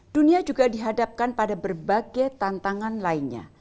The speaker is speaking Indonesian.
dunia juga dihadapkan pada berbagai tantangan lainnya